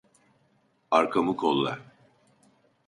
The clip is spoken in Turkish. Arkamı kolla.